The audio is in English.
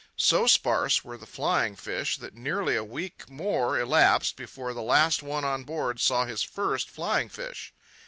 So sparse were the flying fish that nearly a week more elapsed before the last one on board saw his first flying fish.